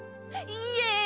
イエイ！